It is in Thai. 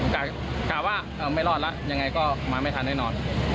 กล่าวว่าไม่รอดแล้วยังไงก็มาไม่ทันแน่นอน